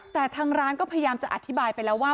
แต่ทางร้านก็พยายามจะอธิบายไปแล้วว่า